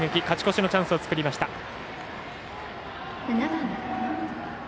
勝ち越しのチャンスを作りました。